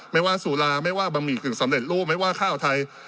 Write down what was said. ไม่ว่าสุราไม่ว่าบะหมี่กึ่งสำเร็จรูปไม่ว่าข้าวไทย